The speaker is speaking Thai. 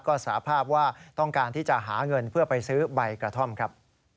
ก็สาภาพว่าต้องการที่จะหาเงินเพื่อไปซื้อใบกระท่อมครับ